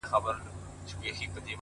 وهر يو رگ ته يې د ميني کليمه وښايه،